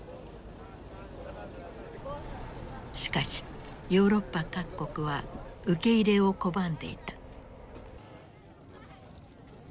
しかしヨーロッパ各国は受け入れを拒んでいた。